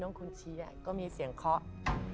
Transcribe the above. พี่น้องคุณชี้ก็มีเสียงเคาะ